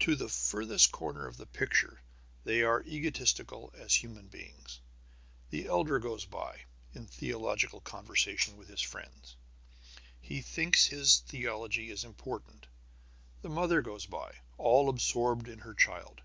To the furthest corner of the picture, they are egotistical as human beings. The elder goes by, in theological conversation with his friend. He thinks his theology is important. The mother goes by, all absorbed in her child.